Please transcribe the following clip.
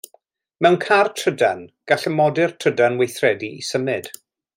Mewn car trydan, gall y modur trydan weithredu i symud.